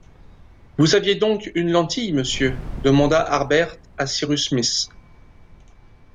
Vous aviez donc une lentille, monsieur? demanda Harbert à Cyrus Smith